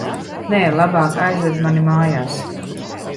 Nē, labāk aizved mani mājās.